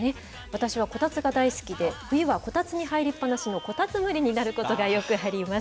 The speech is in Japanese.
私はこたつが大好きで、冬はこたつに入りっぱなしのこたつむりになることが、よくあります。